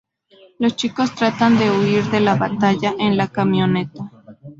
Los chicos tratan de huir de la batalla en la camioneta.